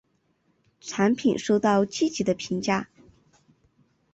产品收到积极的评价。